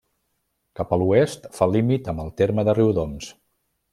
Cap a l'oest fa límit amb el terme de Riudoms.